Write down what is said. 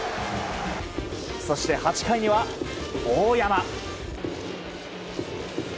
そして、８回には大山。